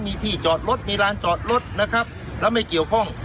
มีที่จอดรถมีลานจอดรถนะครับแล้วไม่เกี่ยวข้อง